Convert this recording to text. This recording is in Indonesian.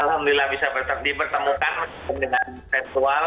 alhamdulillah bisa dipertemukan bersama dengan virtual